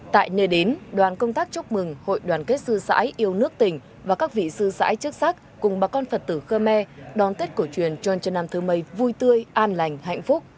tại nơi đến đoàn công tác chúc mừng hội đoàn kết sư sãi yêu nước tỉnh và các vị sư sãi chức sắc cùng bà con phật tử khơ me đón tết cổ truyền trôn trần nam thơ mây vui tươi an lành hạnh phúc